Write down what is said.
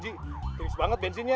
tingis banget bensinnya